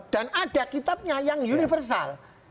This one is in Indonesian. dan ada kitabnya yang universal